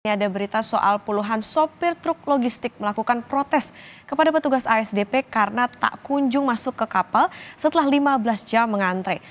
ada berita soal puluhan sopir truk logistik melakukan protes kepada petugas asdp karena tak kunjung masuk ke kapal setelah lima belas jam mengantre